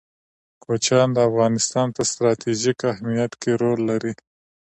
کوچیان د افغانستان په ستراتیژیک اهمیت کې رول لري.